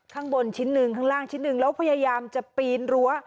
ข้างบนชิ้นหนึ่งข้างล่างชิ้นหนึ่งแล้วพยายามจะปีนรั้ว